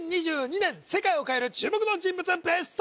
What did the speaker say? ２０２２年世界を変える注目の人物